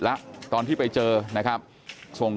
กลุ่มตัวเชียงใหม่